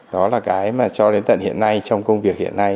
đó là cái mà cho đến tận hiện nay trong công việc hiện nay